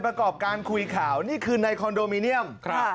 ประกอบการคุยข่าวนี่คือในคอนโดมิเนียม